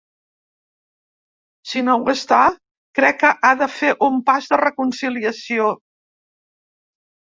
Si no ho està, crec que ha de fer un pas de reconciliació.